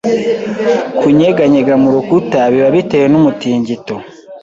Kunyeganyega mu rukuta biba bitewe numutingito